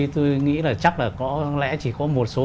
tôi nghĩ là chắc là có lẽ chỉ có một số